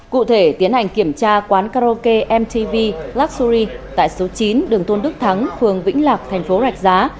cụ thể tiến hành kiểm tra quán karaoke mtv luxury tại số chín đường thôn đức thắng phường vĩnh lạc tp rạch giá